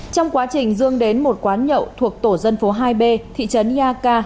trong quá trình dương đến một quán nhậu thuộc tổ dân phố hai b thị trấn ia ca